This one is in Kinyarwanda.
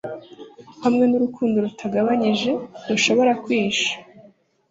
hamwe nurukundo rutagabanije ntushobora kwihisha